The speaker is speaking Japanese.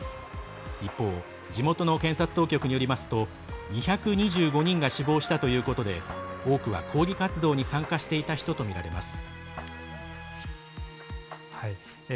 一方、地元の検察当局によりますと２２５人が死亡したということで多くは抗議活動に参加していた人とみられます。